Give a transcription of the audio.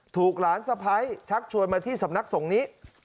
ถูกหลานสะพ้ายชักชวนมาที่สำนักสงฆ์นี้